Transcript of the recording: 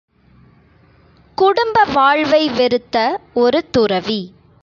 குடும்ப வாழ்வை வெறுத்த ஒரு துறவி.